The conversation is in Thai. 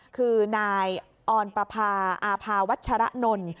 คือนายออนประพาอาภาวัชรนนท์